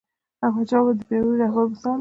احمدشاه بابا د پیاوړي رهبر مثال دی..